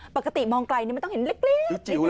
ปกติมองไกลมันต้องเห็นเล็กนิด